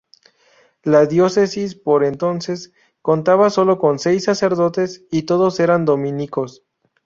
La diócesis, por entonces, contaba solo con seis sacerdotes y todos eran dominicos.